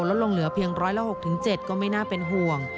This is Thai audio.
แล้วลงเหลือเพียง๑๐๖๑๐๗ก็ไม่น่าเป็นห่วง